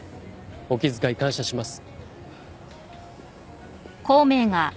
お気遣い感謝します。